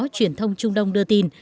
truyền thông trung đông đưa tin